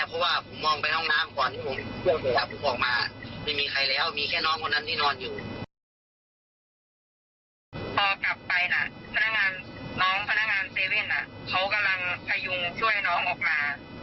พ่อกลับไปน้องพนักงานเซฟมันนะเขากำลังพายุ้งช่วยน้องออกมา